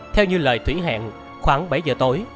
theo như lời thủy hẹn khoảng bảy h tối